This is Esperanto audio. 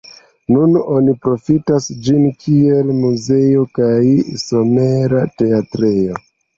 Nun oni profitas ĝin, kiel muzeo kaj somera teatrejo.